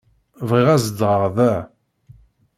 Bɣiɣ ad zedɣeɣ da.